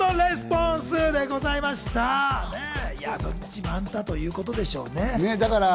自慢だということでしょうね。